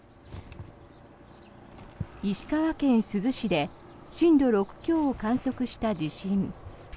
石川県珠洲市で震度６強を観測した地震。